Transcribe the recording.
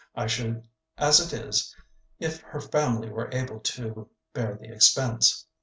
I should as it is, if her family were able to bear the expense.